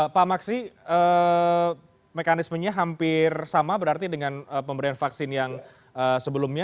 pak maksi mekanismenya hampir sama berarti dengan pemberian vaksin yang sebelumnya